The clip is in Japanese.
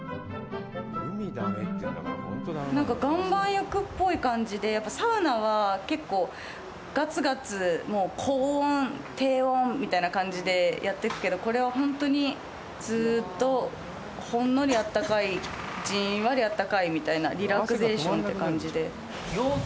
なんか岩盤浴っぽい感じでサウナは、結構がつがつ高温、低温みたいな感じでやってくけどこれは本当にずうっとほんのりあったかいじんわりあったかいみたいなリラクゼーションって感じで。